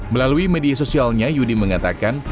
melalui media sosialnya yudi mengatakan